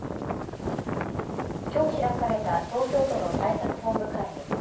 きょう開かれた東京都の対策本部会議。